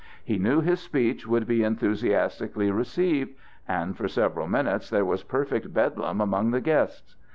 He knew his speech would be enthusiastically received, and for several minutes there was perfect bedlam among the guests.